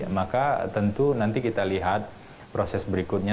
maka tentu nanti kita lihat proses berikutnya